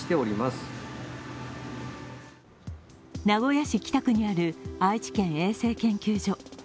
名古屋市北区にある愛知県衛生研究所。